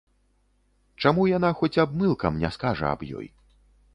Чаму яна хоць абмылкам не скажа аб ёй?